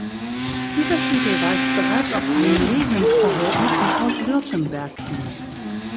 Dieser Titel weist bereits auf ein Lehensverhältnis mit Haus Württemberg hin.